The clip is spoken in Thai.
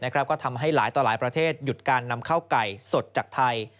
ก็ทำให้หลายต่อหลายประเทศหยุดการนำข้าวไก่สดจากไทย